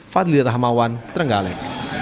fadli rahmawan trenggale